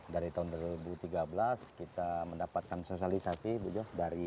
dari tahun dua ribu tiga belas kita mendapatkan sosialisasi bu jo